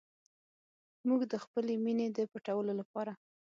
موږ د خپلې مینې د پټولو لپاره.